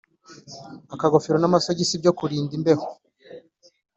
akagofero n’amasogisi byo kururinda imbeho